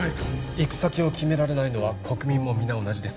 行く先を決められないのは国民も皆同じです